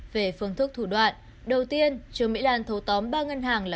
về phương thức thủ đoạn đầu tiên trường mỹ lan thấu tóm ba ngân hàng là